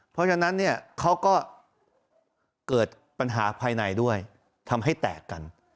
เพราะฉะนั้นเนี่ยเขาก็เกิดปัญหาภายในด้วยทำให้แตกกัน